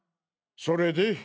それで？